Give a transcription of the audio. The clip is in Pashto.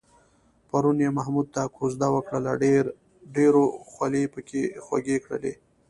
پرون یې محمود ته کوزده وکړله، ډېرو خولې پکې خوږې کړلې.